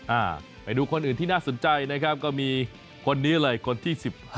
อ่าไปดูคนอื่นที่น่าสนใจนะครับก็มีคนนี้เลยคนที่สิบห้า